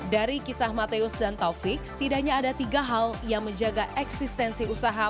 dari kisah mateus dan taufik setidaknya ada tiga hal yang menjaga eksistensi usaha